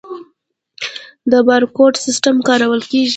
د بارکوډ سیستم کارول کیږي؟